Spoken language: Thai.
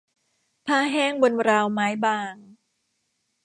ผ้าแห้งบนราวไม้บาง